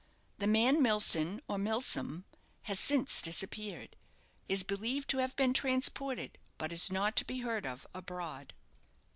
The man Milson, or Milsom, has since disappeared. Is believed to have been transported, but is not to be heard of abroad.